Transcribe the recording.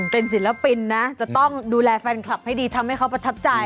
เป็นศิลปินนะจะต้องดูแลแฟนคลับให้ดีทำให้เขาประทับใจ